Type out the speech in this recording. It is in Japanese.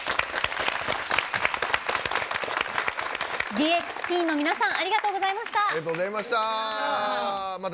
ＤＸＴＥＥＮ の皆さんありがとうございました。